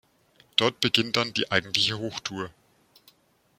Dort beginnt dann die eigentliche Hochtour.